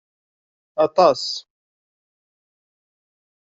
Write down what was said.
Aṭas!